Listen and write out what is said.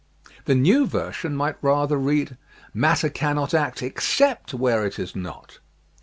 The new version might rather read :" matter cannot act except where it is not."